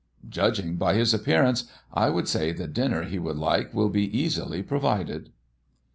"Judging by his appearance, I should say the dinner he would like will be easily provided."